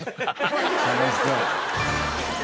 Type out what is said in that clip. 楽しそう。